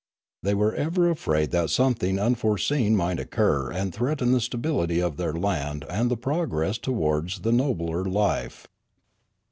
They were ever afraid that something unforeseen might occur and threaten the stability of their land and the progress towards the nobler life.